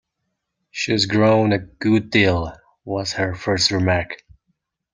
‘She’s grown a good deal!’ was her first remark.